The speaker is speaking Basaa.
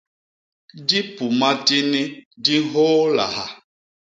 Dipuma tini di nhôôlaha.